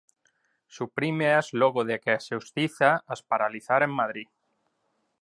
Suprímeas logo de que a xustiza as paralizara en Madrid.